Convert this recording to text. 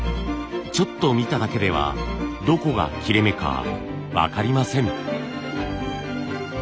ちょっと見ただけではどこが切れ目か分かりません。